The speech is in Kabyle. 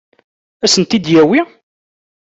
Ad sen-t-id-yawi?